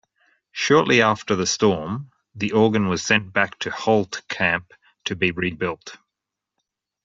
Shortly after the storm, the organ was sent back to Holtkamp to be rebuilt.